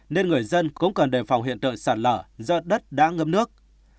nên người dân cũng cần đề phòng hiện tượng sạt lở do đất đã ngâm nước